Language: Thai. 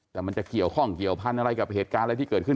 แต่มันจะเกี่ยวข้องเกี่ยวพันธุ์อะไรกับเหตุการณ์อะไรที่เกิดขึ้น